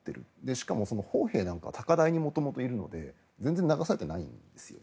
しかも砲兵なんかは高台に元々いるので全然流されていないんです。